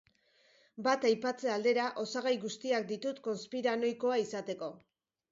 Bat aipatze aldera, osagai guztiak ditut konspiranoikoa izateko.